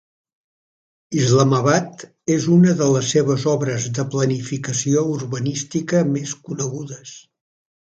Islamabad és una de les seves obres de planificació urbanística més conegudes.